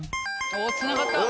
つながった。